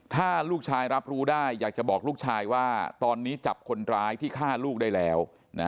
ถ้าลูกชายรับรู้ได้อยากจะบอกลูกชายว่าตอนนี้จับคนร้ายที่ฆ่าลูกได้แล้ว